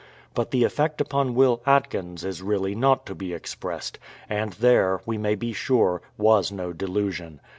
But the effect upon Will Atkins is really not to be expressed; and there, we may be sure, was no delusion.